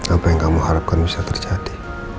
apa yang kamu harapkan bisa terjadi